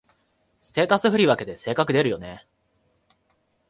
ステータス振り分けで性格出るよね